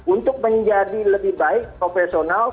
untuk menjadi lebih baik profesional